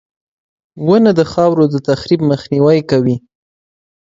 • ونه د خاورو د تخریب مخنیوی کوي.